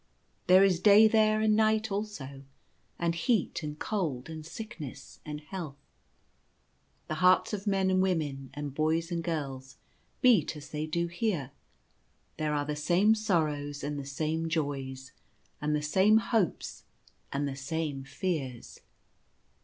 There is day there and night also ; and heat and cold, and sickness and health. The hearts of men and women, and boys and girls, beat as they do here. There are the same sorrows and the same joys ; and the same hopes and the same fears.